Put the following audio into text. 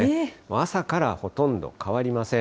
朝からほとんど変わりません。